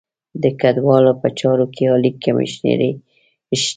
د کډوالو په چارو کې عالي کمیشنري شته.